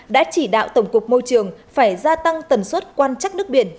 đã chỉ đạo tổng cục môi trường phải gia tăng tần suất quan trắc nước biển